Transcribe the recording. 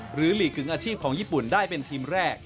หลีกถึงอาชีพของญี่ปุ่นได้เป็นทีมแรก